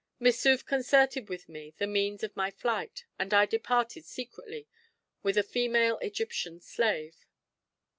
Missouf concerted with me the means of my flight; and I departed secretly with a female Egyptian slave.